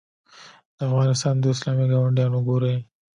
د افغانستان دوه اسلامي ګاونډیان وګورئ.